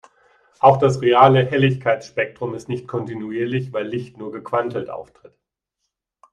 Auch das reale Helligkeitsspektrum ist nicht kontinuierlich, weil Licht nur gequantelt auftritt.